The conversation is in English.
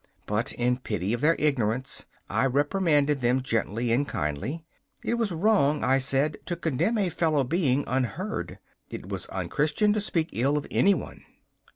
But in pity of their ignorance I reprimanded them gently and kindly. It was wrong, I said, to condemn a fellow being unheard. It was unchristian to speak ill of any one.